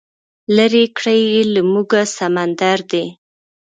لرې کړی یې له موږه سمندر دی